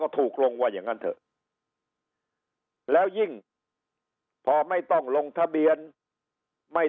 ถูกลงว่าอย่างนั้นเถอะแล้วยิ่งพอไม่ต้องลงทะเบียนไม่